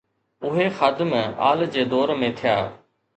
اهي خادم آل جي دور ۾ ٿيا.